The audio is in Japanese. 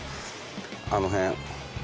あの辺。